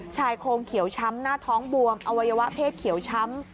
ชายโครงเขียวช้ำหน้าท้องบวมอวัยวะเพศเขียวช้ำ